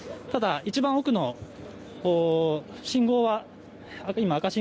ただ、一番奥の、信号は赤